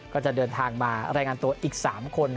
ก็จะเดินทางมารายงานตัวอีก๓คน